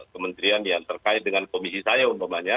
kementerian yang terkait dengan komisi saya umpamanya